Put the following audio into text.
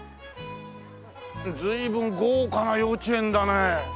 随分豪華な幼稚園だねえ。